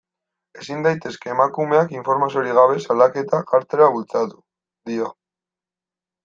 Ezin daitezke emakumeak informaziorik gabe salaketak jartzera bultzatu, dio.